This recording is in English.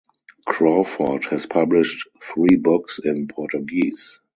Crawford has published three books in Portuguese.